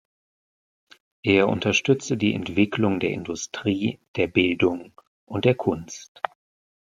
Er unterstützte die Entwicklung der Industrie, der Bildung und der Kunst.